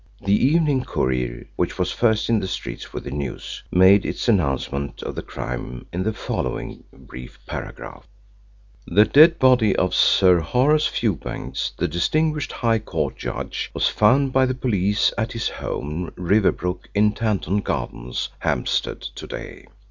The Evening Courier, which was first in the streets with the news, made its announcement of the crime in the following brief paragraph: "The dead body of Sir Horace Fewbanks, the distinguished High Court judge, was found by the police at his home, Riversbrook in Tanton Gardens, Hampstead, to day.